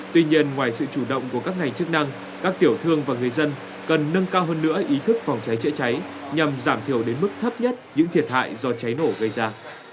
tuy nhiên ngoài sự chủ động của các ngành chức năng các tiểu thương và người dân cần nâng cao hơn nữa ý thức phòng cháy chữa cháy nhằm giảm thiểu đến mức thấp nhất những thiệt hại do cháy nổ gây ra